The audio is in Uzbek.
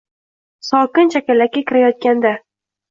Sokin chakalakka kirayotganda